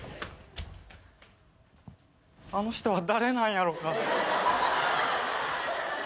あの人は誰なんやろか？